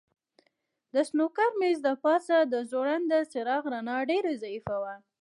د سنوکر مېز د پاسه د ځوړند څراغ رڼا ډېره ضعیفه وه.